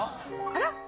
あら？